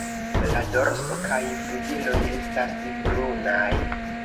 La dorso kaj flugiloj estas brunaj.